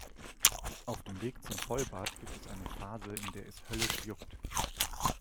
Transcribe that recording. Auf dem Weg zum Vollbart gibt es eine Phase, in der es höllisch juckt.